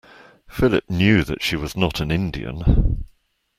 Philip knew that she was not an Indian.